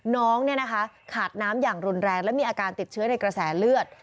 น้องขาดน้ำอย่างรุนแรงและมีอาการติดเชื้อในกระแสเลือด